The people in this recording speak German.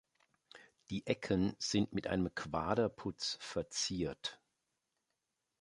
Die Ecken sind mit einem Quaderputz verziert.